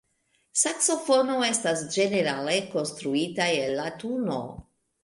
Saksofono estas ĝenerale konstruita el latuno.